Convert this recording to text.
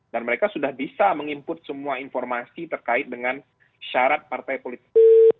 dan mereka sudah bisa mengimput semua informasi terkait dengan syarat partai politik